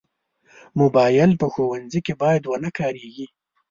موبایل په ښوونځي کې باید ونه کارېږي.